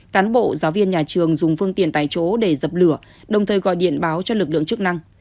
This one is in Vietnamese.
cán bộ giáo viên nhà trường dùng phương tiện tại chỗ để dập lửa đồng thời gọi điện báo cho lực lượng chức năng